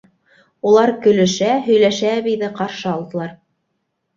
— Улар көлөшә, һөйләшә әбейҙе ҡаршы алдылар.